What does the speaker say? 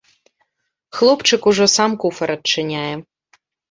Хлопчык ужо сам куфар адчыняе.